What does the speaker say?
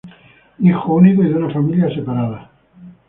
Hijo único y de una familia separada.